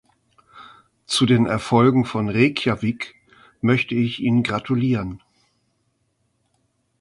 Zu den Erfolgen von Reykjavik möchte ich Ihnen gratulieren.